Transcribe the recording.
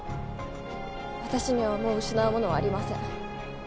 私にはもう失うものはありません。